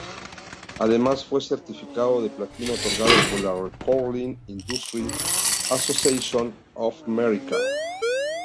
Además, fue certificado de platino otorgado por la Recording Industry Association of America.